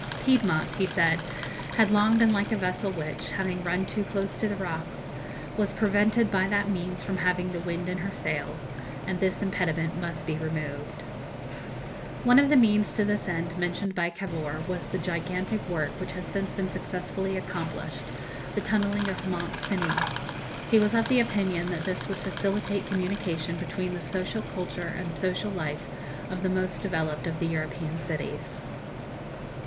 "Piedmont," he said, "had long been like a vessel which, having run too close to the rocks, was prevented by that means from having the wind in her sails, and this impediment must be removed." One of the means to this end mentioned by Cavour was the gigantic work which has since been successfully accomplished, the tunnelling of Mont Cenis; he was of opinion that this would facilitate communication between the social culture and social life of the most developed of the European cities.